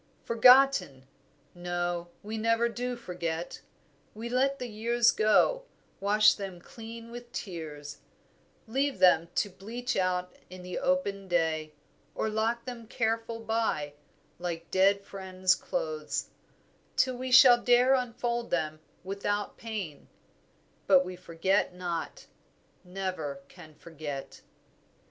"Forgotten! no, we never do forget; We let the years go; wash them clean with tears, Leave them to bleach out in the open day Or lock them careful by, like dead friends' clothes, Till we shall dare unfold them without pain; But we forget not, never can forget."